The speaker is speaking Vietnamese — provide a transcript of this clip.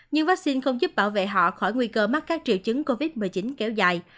nhưng vaccine không giúp bảo vệ họ khỏi nguy cơ mắc các triệu chứng covid một mươi chín kéo dài